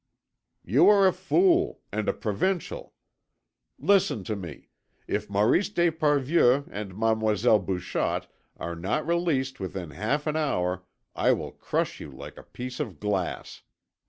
"You are a fool ... and a provincial. Listen to me; if Maurice d'Esparvieu and Mademoiselle Bouchotte are not released within half an hour I will crush you like a piece of glass.